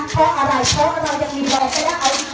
เพราะอะไรเขาใจเบยว่านี้ก็ได้